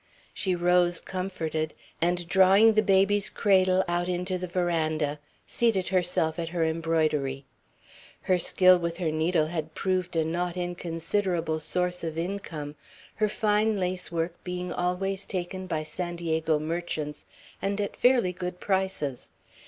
She rose comforted, and drawing the baby's cradle out into the veranda, seated herself at her embroidery. Her skill with her needle had proved a not inconsiderable source of income, her fine lace work being always taken by San Diego merchants, and at fairly good prices.